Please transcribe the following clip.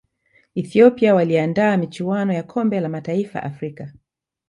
ethiopia waliandaa michuano ya kombe la mataifa afrika